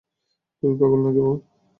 তুমি পাগল নাকি, মা?